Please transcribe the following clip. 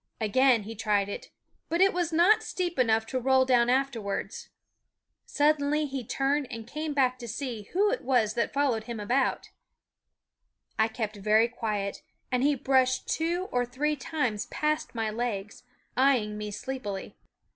Again he tried it; but it was not steep enough to roll down afterwards. Suddenly he SCHOOL OF turned and came back to see who it was 2 A. A. r 27 7 * 71 '^ a ^ fM we d hi m about f/m * kept very quiet, and he brushed two or three times past my legs, eyeing me sleepily.